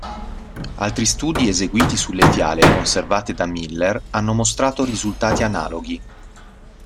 Altri studi eseguiti sulle fiale conservate da Miller hanno mostrato risultati analoghi.